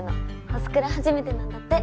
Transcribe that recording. ホスクラ初めてなんだって。